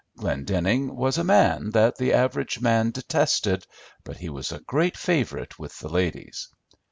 Glendenning was a man that the average man detested, but he was a great favourite with the ladies.